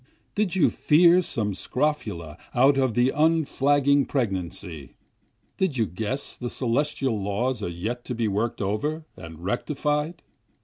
Did you fear some scrofula out of the unflagging pregnancy? Did you guess the celestial laws are yet to be work'd over and rectified?